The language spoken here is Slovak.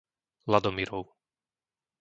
Ladomirov